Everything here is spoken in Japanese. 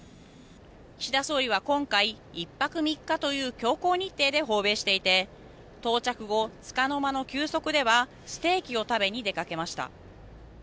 岸田総理は今回１泊３日という強行日程で訪米していて到着後つかの間の休息ではステーキを食べに出かけました。